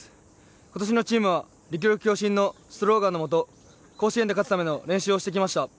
今年のチームは「戮力協心」のスローガンのもと、甲子園で勝つための練習をしてきました。